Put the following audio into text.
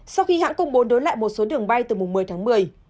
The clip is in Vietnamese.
sau khi hãng công bố đối lại một số đường bay từ mùng một mươi tháng một mươi